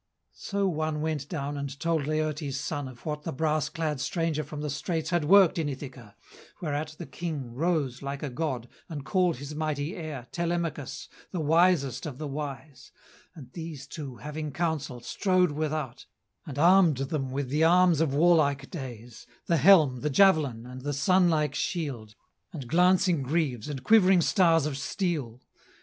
So one went down and told Laertes' son Of what the brass clad stranger from the straits Had worked in Ithaca; whereat the King Rose, like a god, and called his mighty heir, Telemachus, the wisest of the wise; And these two, having counsel, strode without, And armed them with the arms of warlike days The helm, the javelin, and the sun like shield, And glancing greaves and quivering stars of steel.